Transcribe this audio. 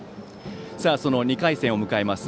その２回戦を迎えます